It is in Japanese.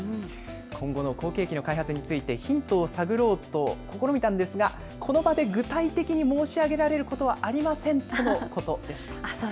今後の後継機の開発についてヒントを探ろうと試みたんですがこの場で具体的に申し上げられることはありませんとのことでした。